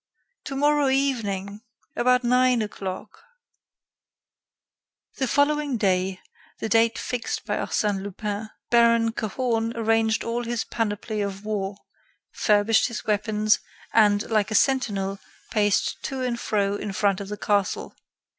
Tomorrow evening about nine o'clock." The following day the date fixed by Arsène Lupin Baron Cahorn arranged all his panoply of war, furbished his weapons, and, like a sentinel, paced to and fro in front of the castle.